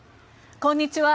こんにちは。